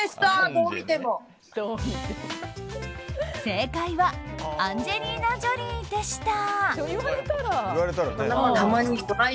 正解はアンジェリーナ・ジョリーでした。